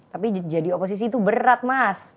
tapi jadi oposisi itu berat mas